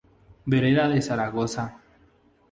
Vereda de Zaragoza.